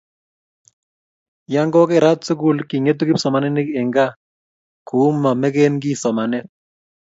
ya ko kerat sukul king'etu kipsomaninik eng' gaa ku ma meken kiy somanet